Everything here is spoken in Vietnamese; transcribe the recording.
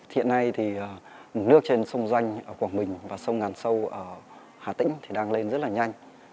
hiện nay thì nước trên sông danh ở quảng bình và sông ngàn sâu ở hà tĩnh thì đang lên rất là nhanh